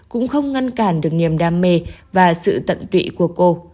cũng không ngăn cản được niềm đam mê và sự tận tụy của cô